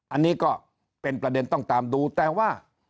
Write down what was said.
อันนี้ก็เป็นประเด็นต้องตามดูแต่ว่า